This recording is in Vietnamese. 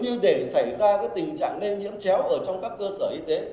và nếu như để xảy ra cái tình trạng lây nhiễm chéo ở trong các cơ sở y tế